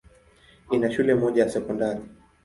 Ina shule moja ya sekondari.